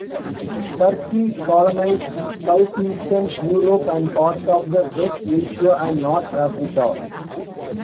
Turkey colonized Southeastern Europe, and parts of the West Asia and North Africa.